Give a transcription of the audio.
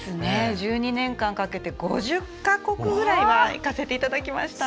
１２年間かけて５０か国ぐらいは行かせていただきました。